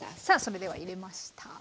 さあそれでは入れました。